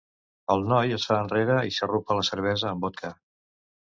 El noi es fa enrere i xarrupa la cervesa amb vodka.